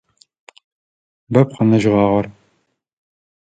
Бэп къэнэжьыгъагъэр.